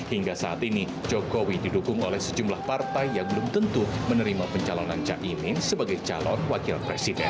hingga saat ini jokowi didukung oleh sejumlah partai yang belum tentu menerima pencalonan caimin sebagai calon wakil presiden